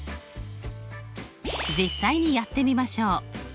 実際にやってみましょう。